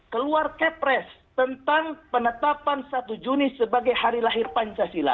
keluar kepres tentang penetapan satu juni sebagai hari lahir pancasila